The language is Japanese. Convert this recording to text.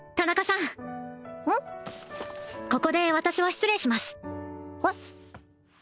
ここで私は失礼しますえっ？